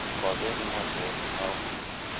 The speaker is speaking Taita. Kwa w'eni Mwatee ni hao?